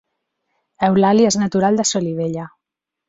Eulàlia és natural de Solivella